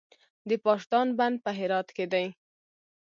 د پاشدان بند په هرات کې دی